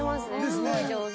すごい上手。